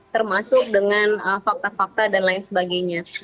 termasuk dengan fakta fakta dan lain sebagainya